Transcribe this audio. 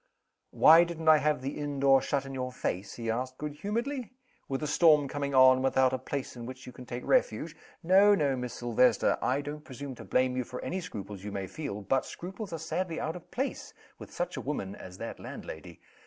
"Why didn't I have the inn door shut in your face" he asked, good humoredly "with a storm coming on, and without a place in which you can take refuge? No, no, Miss Silvester! I don't presume to blame you for any scruples you may feel but scruples are sadly out of place with such a woman as that landlady.